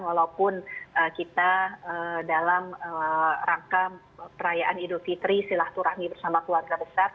walaupun kita dalam rangka perayaan idul fitri silaturahmi bersama keluarga besar